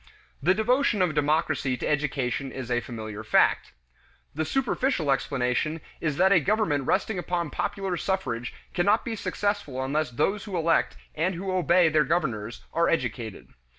The devotion of democracy to education is a familiar fact. The superficial explanation is that a government resting upon popular suffrage cannot be successful unless those who elect and who obey their governors are educated.